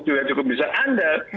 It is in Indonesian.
sudah cukup bisa andal